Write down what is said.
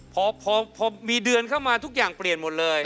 พอมีเดือนเข้ามาทุกอย่างเปลี่ยนหมดเลย